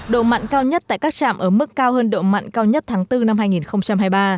độ mặn cao nhất tại các trạm ở mức cao hơn độ mặn cao nhất tháng bốn năm hai nghìn hai mươi ba